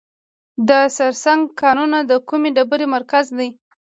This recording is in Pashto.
د سرسنګ کانونه د کومې ډبرې مرکز دی؟